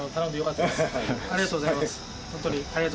ありがとうございます。